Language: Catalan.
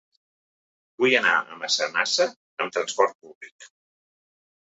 Vull anar a Massanassa amb transport públic.